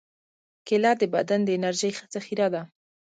کېله د بدن د انرژۍ ذخیره ده.